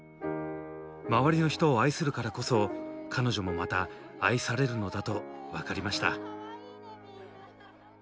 周りの人を愛するからこそ彼女もまた愛されるのだと分かりました。